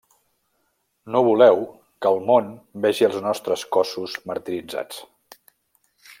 No voleu que el món vegi els nostres cossos martiritzats.